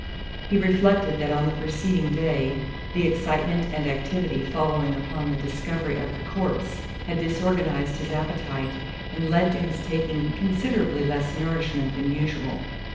He reflected that on the preceding day the excitement and activity following upon the discovery of the corpse had disorganized his appetite and led to his taking considerably less nourishment than usual.